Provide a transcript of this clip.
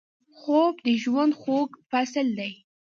خوب د ژوند خوږ فصل دی